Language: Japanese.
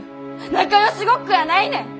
仲よしごっこやないねん！